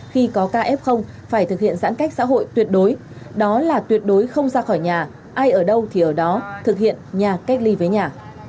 khi có caf phải thực hiện giãn cách xã hội tuyệt đối đó là tuyệt đối không ra khỏi nhà ai ở đâu thì ở đó thực hiện nhà cách ly với nhà